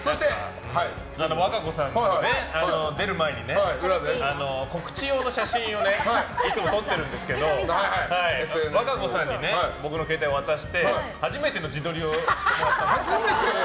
和歌子さんね、出る前にね告知用の写真をいつも撮ってるんですけど和歌子さんに僕の携帯渡して初めての自撮りをしてもらったの。